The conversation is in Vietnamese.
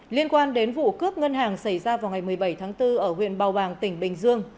liên quan đến vụ cướp ngân hàng xảy ra vào ngày một mươi bảy tháng bốn ở huyện bào bàng tỉnh bình dương